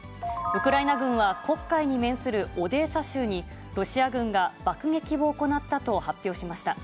ウクライナ軍は黒海に面するオデーサ州に、ロシア軍が爆撃を行ったと発表しました。